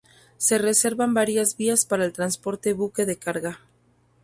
Se reservan varias vías para el transporte buque de carga.